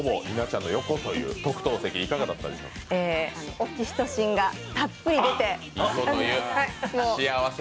オキシトシンがたっぷり出て。